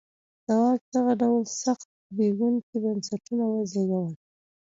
د واک دغه ډول سخت زبېښونکي بنسټونه وزېږول.